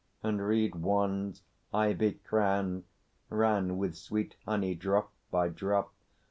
And reed wands ivy crowned Ran with sweet honey, drop by drop.